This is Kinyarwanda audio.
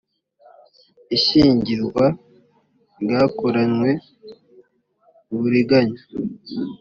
ishyingirwa ryakoranywe uburiganya